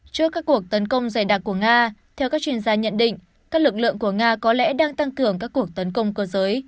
trước các cuộc tấn công dày đặc của nga theo các chuyên gia nhận định các lực lượng của nga có lẽ đang tăng cường các cuộc tấn công cơ giới